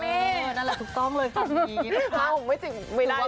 เป็นนางงามก็แรปได้ไปฟังจ้า